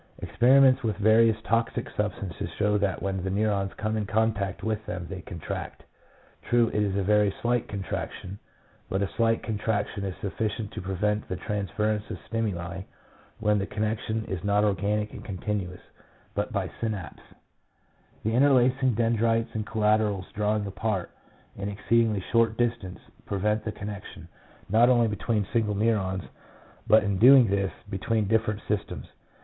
Experiments with various toxic substances show that when the neurons come in contact with them they contract. True, it is a very slight contraction, but a slight contraction is sufficient to prevent the transference of stimuli when the con nection is not organic and continuous, but by synapse. The interlacing dendrites and collaterals drawing apart an exceedingly short distance, prevent the connection, not only between single neurons, but in doing this, between different systems.